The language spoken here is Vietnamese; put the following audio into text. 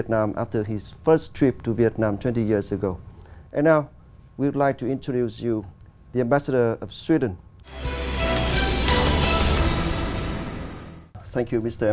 đó là một điều tuyệt vời mà rất ít những nước khác trong thế giới nếu có những nước khác đã làm được trong những năm qua